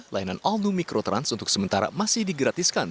layanan all mikrotrans untuk sementara masih digratiskan